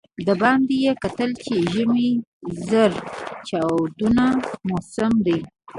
د باندې یې کتل چې ژمی زاره چاودون موسم دی.